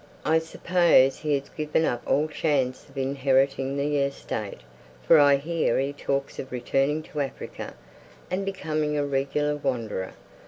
I suppose he has given up all chance of inheriting the estate, for I hear he talks of returning to Africa, and becoming a regular wanderer.